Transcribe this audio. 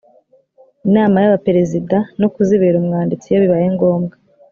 inama y’abaperezida no kuzibera umwanditsi iyo bibaye ngombwa